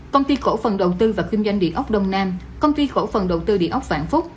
công ty khổ phần đầu tư và kinh doanh địa ốc đông nam công ty khổ phần đầu tư địa ốc vạn phúc